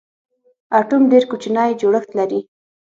اټوم ډېر کوچنی جوړښت لري.